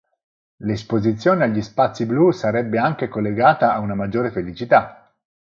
L'esposizione agli "spazi blu" sarebbe anche collegata a una maggiore felicità.